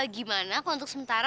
gimana aku untuk sementara